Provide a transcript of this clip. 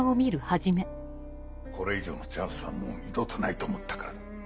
これ以上のチャンスはもう二度とないと思ったからだ。